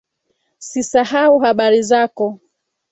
Sisahau habari zako.